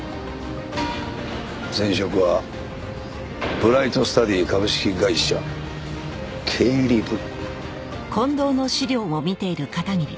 前職は「ブライトスタディ株式会社経理部」。